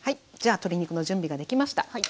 じゃ鶏肉の準備ができました。